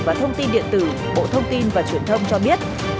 và thông tin điện tử bộ thông tin và truyền thông cho biết